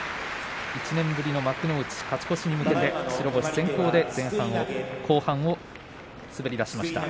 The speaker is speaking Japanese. １年ぶりの幕内勝ち越しに向けて白星先行で後半を滑り出しました。